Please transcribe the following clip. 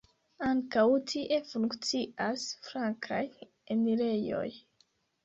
Ankaŭ tie funkcias flankaj enirejoj.